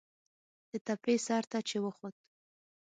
د تپې سر ته چې وخوت.